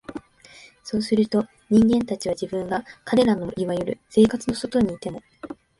そうすると、人間たちは、自分が彼等の所謂「生活」の外にいても、